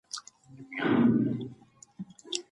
په لاس لیکلنه د ساینس پوهانو او پوهانو لومړنۍ وسیله وه.